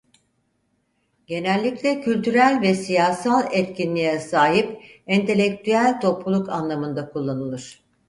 Genellikle kültürel ve siyasal etkinliğe sahip entelektüel topluluk anlamında kullanılır.